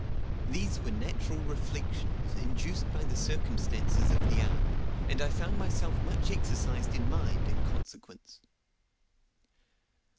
These were natural reflections, induced by the circumstances of the hour, and I found myself much exercised in mind in consequence.